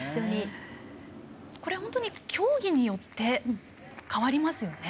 本当に競技によって変わりますよね。